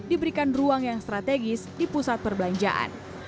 diberikan ruang yang strategis di pusat perbelanjaan